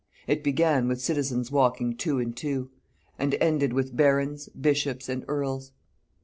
It began with citizens walking two and two, and ended with barons, bishops, and earls.